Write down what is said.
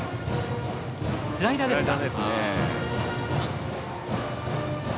スライダーですか。